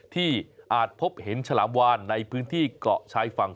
อาจพบเห็นฉลามวานในพื้นที่เกาะชายฝั่ง